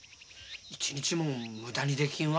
一日も無駄にできんわ。